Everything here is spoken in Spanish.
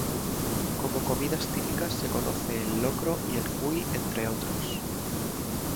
Como comidas típicas se conoce el Locro y el Cuy entre otros.